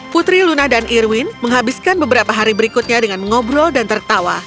putri luna dan irwin menghabiskan beberapa hari berikutnya dengan ngobrol dan tertawa